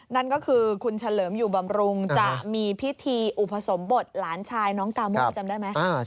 นั่นก็คือคุณเฉลิมอยู่บำรุงจะมีพิธีอุปสมบทหลานชายน้องกาโม่จำได้ไหม